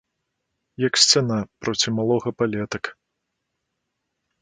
Як сцяна, проці малога палетак.